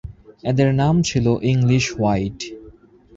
এদের নাম ছিলো ইংলিশ হোয়াইট।